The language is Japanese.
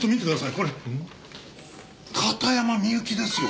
これ片山みゆきですよ！